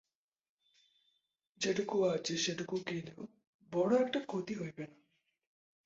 যেটুকু আছে সেটুকু গেলেও বড় একটা ক্ষতি হইবে না।